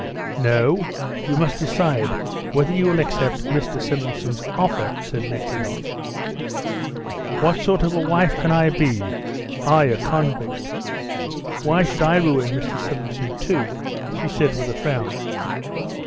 "No; you must decide whether you will accept Mr. Simonson's offer," said Nekhludoff. "What sort of a wife can I be I, a convict? Why should I ruin Mr. Simonson, too?" she said, with a frown.